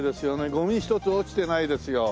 ゴミ一つ落ちてないですよ。